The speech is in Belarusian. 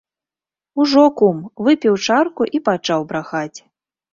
Ужо, кум, выпіў чарку і пачаў брахаць.